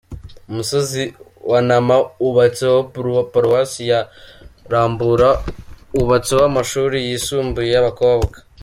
Umusozi wa Nama wubatseho Paruwasi ya Rambura, wubatseho amashuri yisumbuye y’abakobwa.